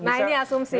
nah ini asumsi